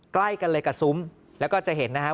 ใกล้กันเลยกับซุ้มแล้วก็จะเห็นนะครับ